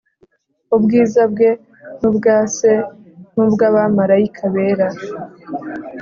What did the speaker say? Ubwiza bwe n ubwa se n ubw abamarayika bera